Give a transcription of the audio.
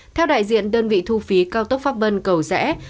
theo đại diện đơn vị thu phí cao tốc pháp vân cầu rẽ